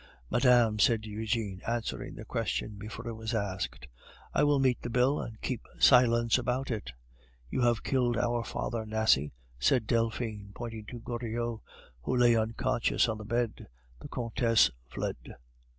"Madame," said Eugene, answering the question before it was asked, "I will meet the bill, and keep silence about it." "You have killed our father, Nasie!" said Delphine, pointing to Goriot, who lay unconscious on the bed. The Countess fled.